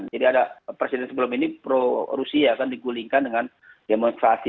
jadi ada presiden sebelum ini pro rusia kan digulingkan dengan demonstrasi